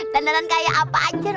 danaran kayak apa aja